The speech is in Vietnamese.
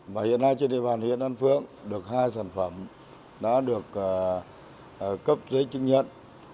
và hiện nay trên địa bàn huyện an phượng được hai sản phẩm đã được cấp giấy chứng nhận